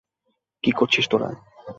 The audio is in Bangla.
কি করছিস তোরা?